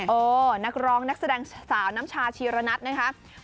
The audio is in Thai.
นักร้องนักแสดงสาวน้ำชาชีระนัทนะครับ